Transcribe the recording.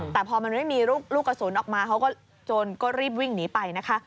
แต่พอมันไม่มีลูกกระสุนออกมาเขาก็โจรก็รีบวิ่งหนีไปนะคะ